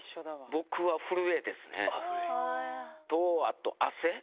僕は震えてですね、と、あと汗。